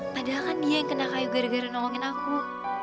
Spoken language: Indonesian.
padahal kan dia yang kena kayu gara gara nolongin aku